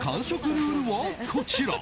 ルールはこちら。